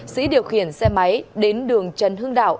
sĩ điều khiển xe máy đến đường trần hưng đạo